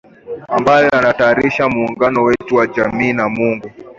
ambayo yanahatarisha muungano wetu na jamii na Mungu